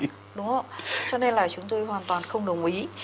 đúng không cho nên là chúng tôi hoàn toàn không đồng ý